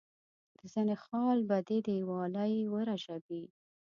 د زنه خال به دي دیوالۍ ورژوي.